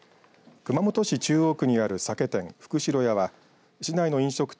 熊本市中央区にある酒店福城屋は市内の飲食店